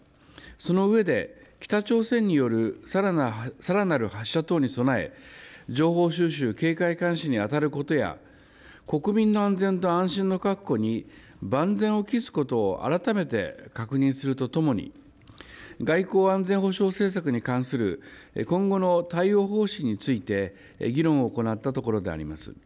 その上で、北朝鮮によるさらなる発射等に備え、情報収集、警戒監視に当たることや、国民の安全と安心の確保に万全を期すことを改めて確認するとともに、外交安全保障政策に関する今後の対応方針について議論を行ったところであります。